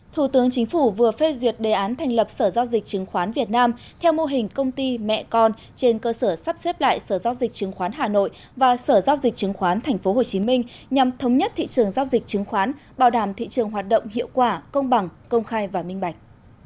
thủ tướng chính phủ vừa phê duyệt đề án thành lập sở giao dịch chứng khoán việt nam theo mô hình công ty mẹ con trên cơ sở sắp xếp lại sở giao dịch chứng khoán hà nội và sở giao dịch chứng khoán tp hcm nhằm thống nhất thị trường giao dịch chứng khoán bảo đảm thị trường hoạt động hiệu quả công bằng công khai và minh bạch